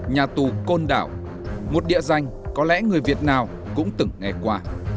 nhà tù côn đảo một địa danh có lẽ người việt nào cũng từng nghe qua